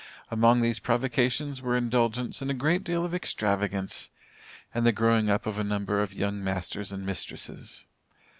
Among these provocations were indulgence in a great deal of extravagance, and the growing up of a number of young masters and mistresses.